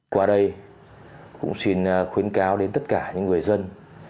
qua đây cũng xin khuyến cáo đến tất cả những người dân